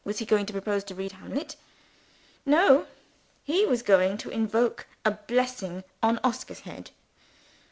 Was he going to propose to read Hamlet? No! He was going to invoke a blessing on Oscar's head.